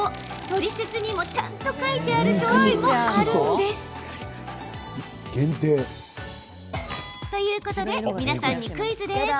トリセツにも書いてある商品もあるんです。ということで皆さんにクイズです。